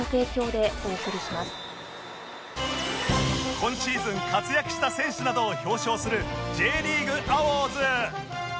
今シーズン活躍した選手などを表彰する Ｊ リーグアウォーズ